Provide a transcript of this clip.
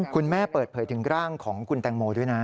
เปิดเผยถึงร่างของคุณแตงโมด้วยนะ